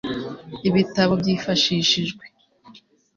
ibitabo byifashishijwe